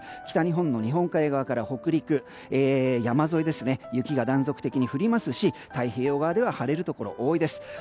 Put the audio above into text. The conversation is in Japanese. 北日本の日本海側から北陸山沿いで雪が断続的に降りますし太平洋側では晴れるところが多いです。